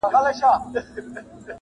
زه او ته چي پیدا سوي پاچاهان یو!.